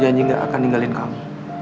dan aku janji gak akan ninggalin kamu